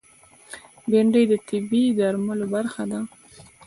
بېنډۍ د طبعي درملو برخه ده